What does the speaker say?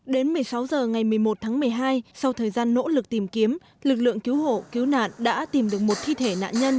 đến một mươi sáu h ngày một mươi một tháng một mươi hai sau thời gian nỗ lực tìm kiếm lực lượng cứu hộ cứu nạn đã tìm được một thi thể nạn nhân